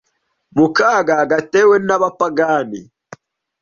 mu kaga gatewe n’abapagani,